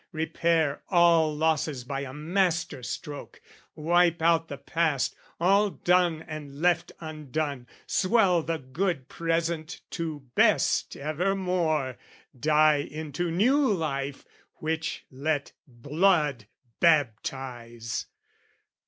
Repair all losses by a master stroke, Wipe out the past, all done and left undone, Swell the good present to best evermore, Die into new life, which let blood baptise!